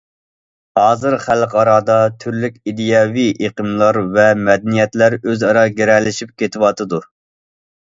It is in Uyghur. ھازىر خەلقئارادا تۈرلۈك ئىدىيەۋى ئېقىملار ۋە مەدەنىيەتلەر ئۆزئارا گىرەلىشىپ كېتىۋاتىدۇ.